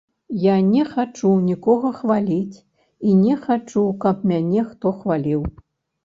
Я не хачу нікога хваліць і не хачу, каб мяне хто хваліў.